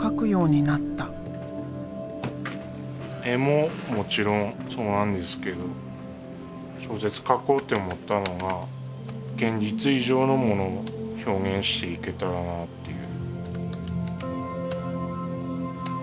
絵ももちろんそうなんですけど小説書こうって思ったのが現実以上のものを表現していけたらなっていう。